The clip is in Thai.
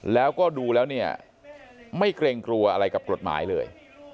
แล้วก็ดูแล้วเนี่ยไม่เกรงกลัวอะไรกับกฎหมายเลย